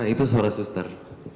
itu suara suster